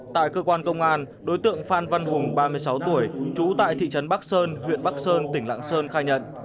tại cơ quan công an đối tượng phan văn hùng ba mươi sáu tuổi trú tại thị trấn bắc sơn huyện bắc sơn tỉnh lạng sơn khai nhận